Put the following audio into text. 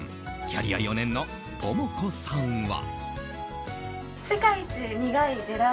キャリア４年の十望子さんは。